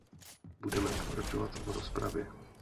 Budeme pokračovat v rozpravě.